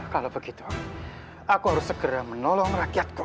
kalau begitu aku harus segera menolong rakyat kong